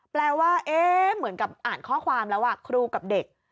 แปลว่าเหมือนกับอ่านข้อความแล้วครูกับเด็ก